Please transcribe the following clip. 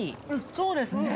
そうですね。